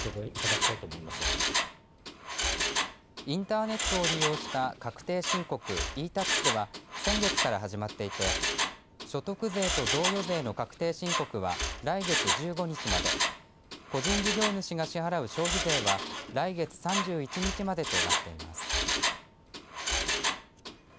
インターネットを利用した確定申告ｅ‐Ｔａｘは先月から始まっていて所得税と贈与税の確定申告は来月１５日まで個人事業主が支払う消費税は来月３１日までとなっています。